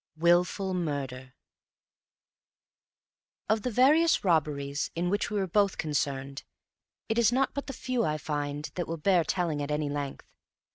WILFUL MURDER Of the various robberies in which we were both concerned, it is but the few, I find, that will bear telling at any length.